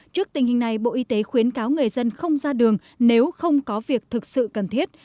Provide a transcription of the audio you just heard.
trước tình hình này bộ y tế khuyến cáo người dân không ra đường nếu không có việc thực sự cần thiết